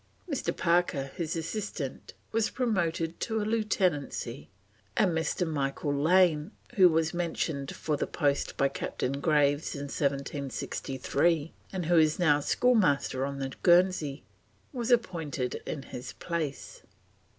Mr. Parker, his assistant, was promoted to a lieutenancy, and Mr. Michael Lane, who was mentioned for the post by Captain Graves in 1763, and who was now schoolmaster on the Guernsey, was appointed in his place.